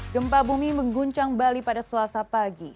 gempa bumi mengguncang bali pada selasa pagi